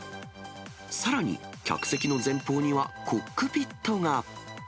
さらに、客席の前方にはコックピットが。